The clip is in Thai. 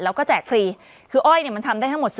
แล้วก็แจกฟรีคืออ้อยเนี่ยมันทำได้ทั้งหมด